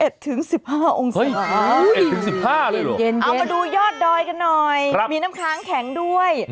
เอา๑๑๕เลยเหรอเอามาดูยอดดอยกันหน่อยมีน้ำค้างแข็งด้วย